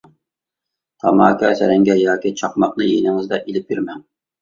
تاماكا، سەرەڭگە ياكى چاقماقنى يېنىڭىزدا ئېلىپ يۈرمەڭ.